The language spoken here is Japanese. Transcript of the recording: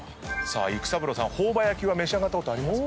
育三郎さん朴葉焼きは召し上がったことありますか？